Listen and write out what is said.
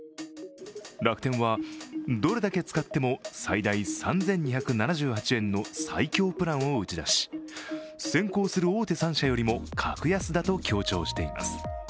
楽天は、どれだけ使っても最大３２７８円の最強プランを打ち出し先行する大手３社よりも格安だと強調しています。